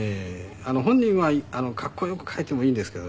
本人はかっこよく描いてもいいんですけどね。